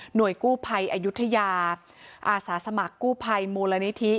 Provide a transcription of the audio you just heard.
กู้ภัยอายุทยาอาสาสมัครกู้ภัยมูลนิธิ